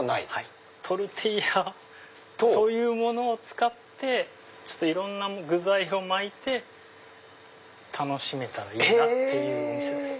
トルティーヤというものを使っていろんな具材を巻いて楽しめたらいいなっていうお店です。